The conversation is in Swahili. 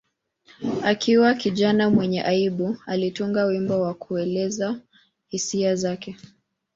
Akiwa kijana mwenye aibu, alitunga wimbo wa kuelezea hisia zake.